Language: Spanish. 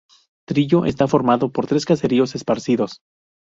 Trillo está formado por tres caseríos esparcidos.